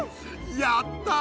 やった！